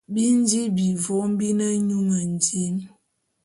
Bi nji vôm bi ne nyu mendim.